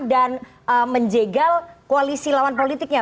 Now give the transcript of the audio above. dan menjegal koalisi lawan politiknya